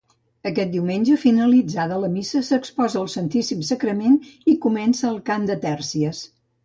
Aquest diumenge, finalitzada la missa, s'exposa el Santíssim Sagrament i comença el cant de tèrcies.